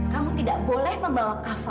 kamu tidak boleh membawa kava